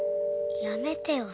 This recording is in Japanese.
やめてよ。